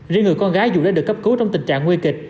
riêng người con gái dù đã được cấp cứu trong tình trạng nguy kịch